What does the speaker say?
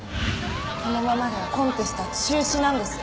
このままではコンテストは中止なんです。